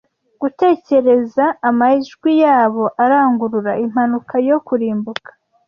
Gutekereza amajwi yabo arangurura impanuka yo kurimbuka,